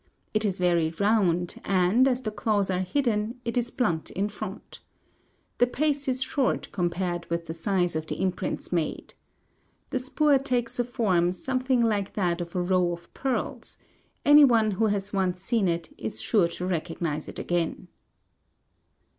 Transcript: It is very round and, as the claws are hidden, it is blunt in front. The pace is short compared with the size of the imprints made. The spoor takes a form something like that of a row of pearls; any one who has once seen it is sure to recognize it again.